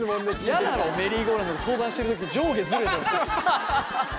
イヤだろメリーゴーランドで相談してる時上下ずれたり。